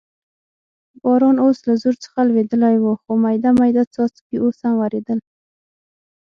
باران اوس له زور څخه لوېدلی و، خو مېده مېده څاڅکي اوس هم ورېدل.